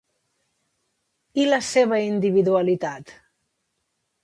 I la seva individualitat?